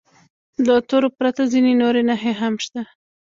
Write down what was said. له تورو پرته ځینې نورې نښې هم شته.